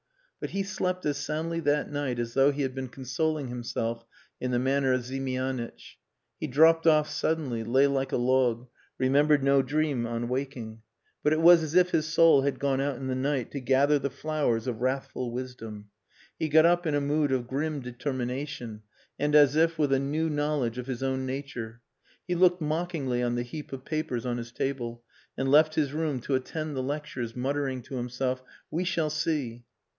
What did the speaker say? But he slept as soundly that night as though he had been consoling himself in the manner of Ziemianitch. He dropped off suddenly, lay like a log, remembered no dream on waking. But it was as if his soul had gone out in the night to gather the flowers of wrathful wisdom. He got up in a mood of grim determination and as if with a new knowledge of his own nature. He looked mockingly on the heap of papers on his table; and left his room to attend the lectures, muttering to himself, "We shall see."